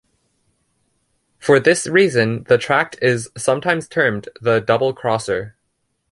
For this reason the tract is sometimes termed the double-crosser.